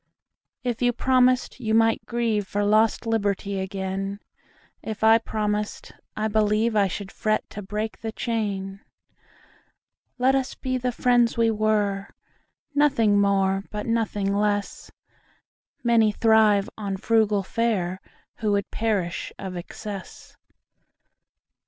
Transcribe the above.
If you promised, you might grieveFor lost liberty again:If I promised, I believeI should fret to break the chain. Let us be the friends we were, Nothing more but nothing less:Many thrive on frugal fareWho would perish of excess.